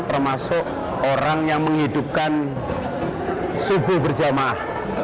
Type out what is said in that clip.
termasuk orang yang menghidupkan subuh berjamaah